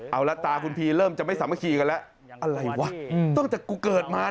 เอาละตาคุณพีเริ่มจะไม่สามัคคีกันแล้วอะไรวะตั้งแต่กูเกิดมา